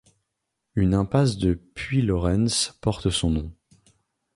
Une impasse de Puylaurens porte son nom.